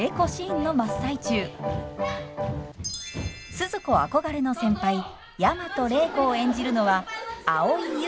スズ子憧れの先輩大和礼子を演じるのは蒼井優さん。